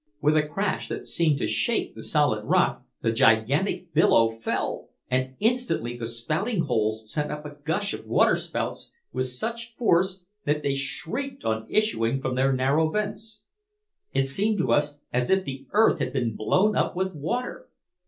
With a crash that seemed to shake the solid rock, the gigantic billow fell, and instantly the spouting holes sent up a gush of waterspouts with such force that they shrieked on issuing from their narrow vents. It seemed to us as if the earth had been blown up with water.